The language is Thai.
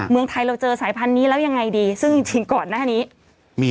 เมืองไทยเราเจอสายพันธุ์นี้แล้วยังไงดีซึ่งจริงก่อนหน้านี้มี